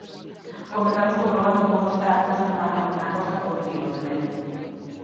Comezamos comprobando como está a cousa na costa contigo, Demetrio.